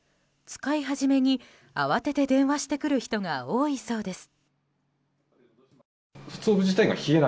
使い初めに慌てて電話してくる人が多いそうです。